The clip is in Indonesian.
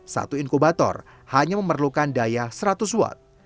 satu inkubator hanya memerlukan daya seratus watt